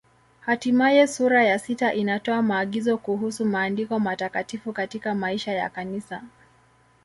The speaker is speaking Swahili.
Hatimaye sura ya sita inatoa maagizo kuhusu Maandiko Matakatifu katika maisha ya Kanisa.